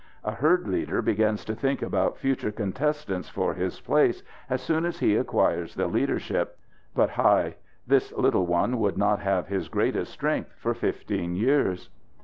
A herd leader begins to think about future contestants for his place as soon as he acquires the leadership. But Hai! This little one would not have his greatest strength for fifteen years.